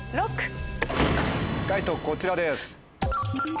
解答こちらです。